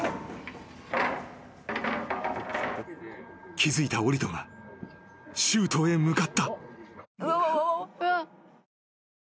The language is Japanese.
［気付いたオリトがシュートへ向かった］